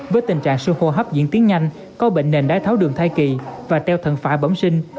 với tình trạng si hô hấp diễn tiến nhanh có bệnh nền đáy tháo đường thai kỳ và treo thần phải bẩm sinh